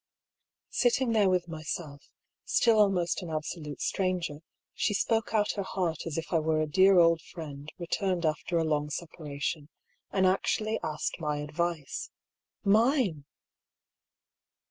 Sitting there with myself, still almost an absolute stranger, she spoke out her heart as if I were a dear old friend returned after a long separation, and actually asked my adyice. Mine